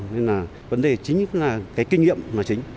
nên là vấn đề chính cũng là cái kinh nghiệm mà chính